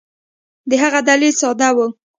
د هغه دلیل ساده وو.